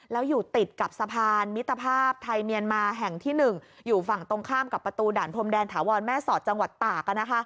แล้วอยู่ติดกับสะพานมิตรภาพไทยเมียนมาแห่งที่๑อยู่ฝั่งตรงข้ามกับประตูด่านพรมแดนถาวรแม่สอดจังหวัดตาก